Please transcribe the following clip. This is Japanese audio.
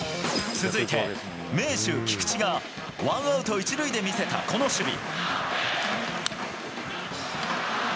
続いて、名手、菊池がワンアウト１塁で見せたこの守備。